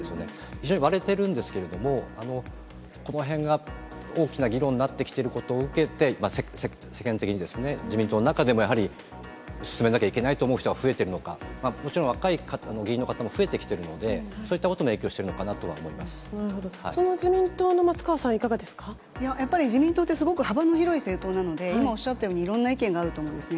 非常に割れているんですけれども、このへんが大きな議論になってきていることを受けて、世間的にですね、自民党の中でも、やはり進めなきゃいけないと思う人が増えてるのか、もちろん、若い議員の方も増えてきているので、そういったことも影響していなるほど、その自民党の松川やっぱり自民党って、すごく幅の広い政党なので、今おっしゃったように、いろんな意見があると思うんですね。